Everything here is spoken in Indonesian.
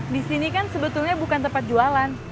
disini kan sebetulnya bukan tempat jualan